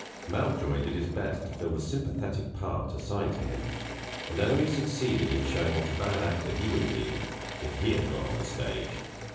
Mountjoy did his best to fill the sympathetic part assigned to him, and only succeeded in showing what a bad actor he would have been, if he had gone on the stage.